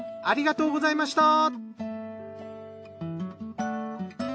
ありがとうございます。